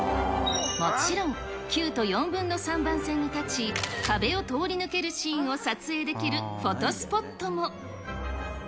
もちろん、９と３／４番線に立ち、壁を通り抜けるシーンを撮影できるフォトスポットも。